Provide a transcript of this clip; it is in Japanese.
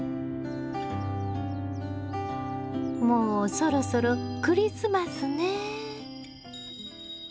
もうそろそろクリスマスね。